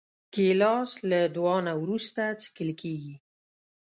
ګیلاس له دعا نه وروسته څښل کېږي.